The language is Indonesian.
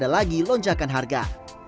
lagi lonjakan harga